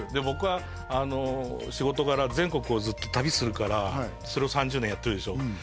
僕は仕事柄全国をずっと旅するからそれを３０年やってるでしょ